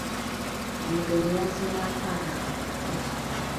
Omugenyi yazze na'kaana akato.